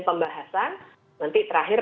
pembahasan nanti terakhir